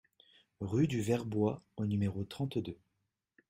Rue du Vertbois au numéro trente-deux